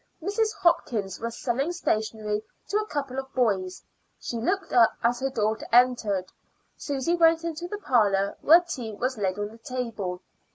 Mrs. Hopkins was selling stationery to a couple of boys; she looked up as her daughter entered. Susy went into the parlor, where tea was laid on the table.